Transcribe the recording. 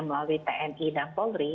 melalui tni dan polri